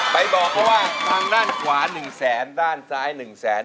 ไปบอกกว่าฮังด้านขวาหนึ่งแสนด้านซ้ายหนึ่งแสน